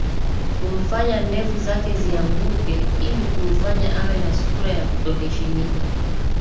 kumfanya ndevu zake zianguke ili kumfanya awe na sura ya kutoheshimika